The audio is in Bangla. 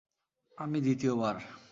আমি দ্বিতীয় বার।